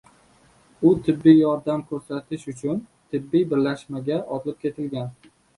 U tibbiy yordam koʻrsatish uchun tibbiyot birlashmasiga olib ketilgan.